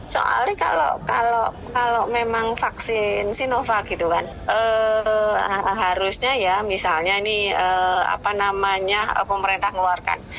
soalnya kalau memang vaksin sinovac gitu kan harusnya ya misalnya ini apa namanya pemerintah ngeluarkan